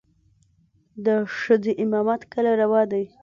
د ښځې امامت کله روا دى.